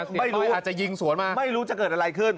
ไม่รู้อาจจะยิงสวนมาไม่รู้จะเกิดอะไรขึ้น